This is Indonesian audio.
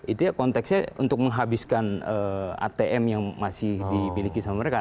itu ya konteksnya untuk menghabiskan atm yang masih dimiliki sama mereka